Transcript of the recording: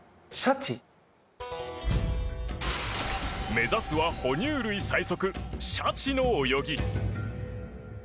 目指すは哺乳類最速シャチの泳ぎ！